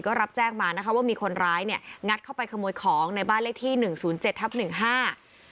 ก็รับแจ้งมานะคะว่ามีคนร้ายเนี่ยงัดเข้าไปขโมยของในบ้านเลขที่หนึ่งศูนย์เจ็ดทับหนึ่งห้า